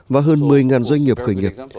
và hơn một mươi doanh nghiệp khởi nghiệp